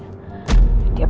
bisa kacau semuanya